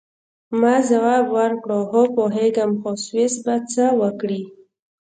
ما ځواب ورکړ: هو، پوهیږم، خو سویس به څه وکړي؟